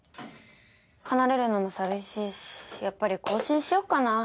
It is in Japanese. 離れるのも寂しいしやっぱり更新しよっかな。